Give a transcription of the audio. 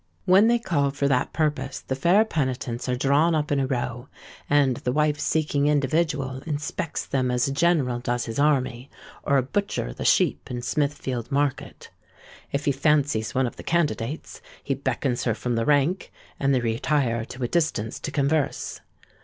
When they call for that purpose, the fair penitents are drawn up in a row; and the wife seeking individual inspects them as a general does his army, or a butcher the sheep in Smithfield Market. If he fancies one of the candidates, he beckons her from the rank, and they retire to a distance to converse.